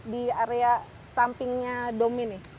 di area sampingnya dom ini